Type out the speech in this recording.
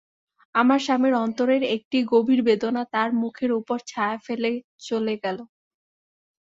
আমার স্বামীর অন্তরের একটি গভীর বেদনা তাঁর মুখের উপর ছায়া ফেলে চলে গেল।